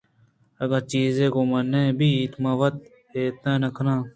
اگاں چیزے گوں من نہ بیت من وت اِت نہ کناں